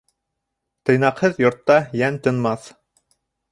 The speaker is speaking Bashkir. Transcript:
Тыйнаҡһыҙ йортта йән тынмаҫ.